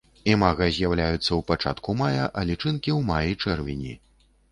Імага з'яўляюцца ў пачатку мая, а лічынкі ў маі-чэрвені.